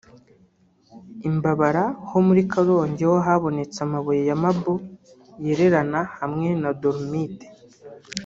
i Mbabara ho muri Karongi ho habonetse amabuye ya Marble yererana hamwe na Dolomite